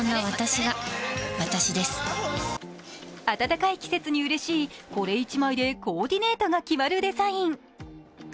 暖かい季節にうれしいこれ一枚でコーディネートが決まるデザイン。